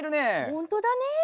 ほんとだね！